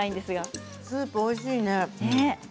スープおいしいね。